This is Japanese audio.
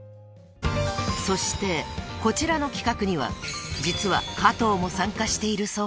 ［そしてこちらの企画には実は加藤も参加しているそうで］